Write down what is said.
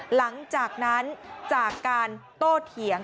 หลังจากนั้นจากการโต้เถียง